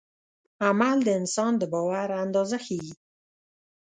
عمل د انسان د باور اندازه ښيي.